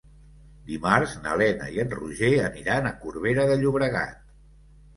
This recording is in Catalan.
Dimarts na Lena i en Roger aniran a Corbera de Llobregat.